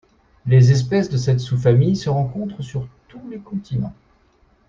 Les espèces de cette sous-famille se rencontrent sur tous les continents.